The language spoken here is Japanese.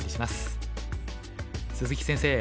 鈴木先生